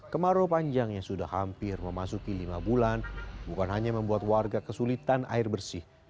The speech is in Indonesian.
kemarau panjang yang sudah hampir memasuki lima bulan bukan hanya membuat warga kesulitan air bersih